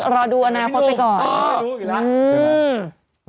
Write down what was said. รอดูอนาคตไปก่อน